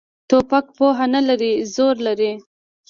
توپک پوهه نه لري، زور لري.